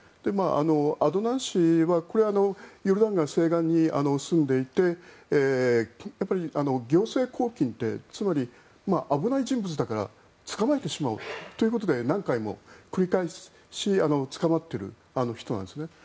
アドナン氏はヨルダン川西岸に住んでいて行政拘禁ってつまり、危ない人物だから捕まえてしまおうということで何回も繰り返し捕まっている人なんです。